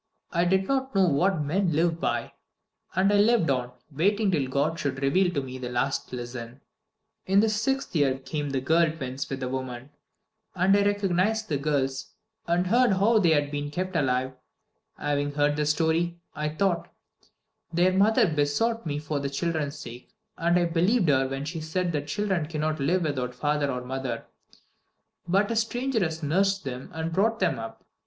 I did not know What men live by. And I lived on, waiting till God should reveal to me the last lesson. In the sixth year came the girl twins with the woman; and I recognized the girls, and heard how they had been kept alive. Having heard the story, I thought, 'Their mother besought me for the children's sake, and I believed her when she said that children cannot live without father or mother; but a stranger has nursed them, and has brought them up.'